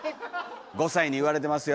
５歳に言われてますよ。